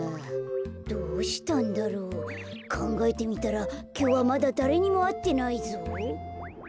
どうしたんだろう？かんがえてみたらきょうはまだだれにもあってないぞ。